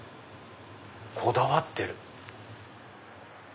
こだわってる！